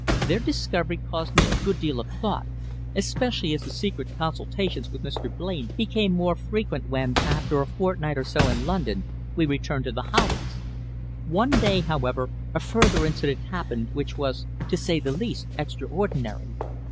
"Their discovery caused me a good deal of thought, especially as the secret consultations with Mr. Blain became more frequent when, after a fortnight or so in London, we returned to The Hollies. One day, however, a further incident happened, which was, to say the least, extraordinary.